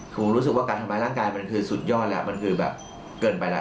ผมรู้สึกว่าการทำร้ายร่างกายมันคือสุดยอดแล้วมันคือแบบเกินไปแล้ว